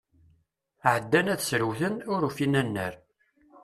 Ɛeddan ad ssrewten, ur ufin annar.